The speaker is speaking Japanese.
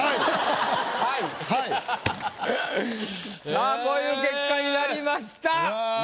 さぁこういう結果になりました。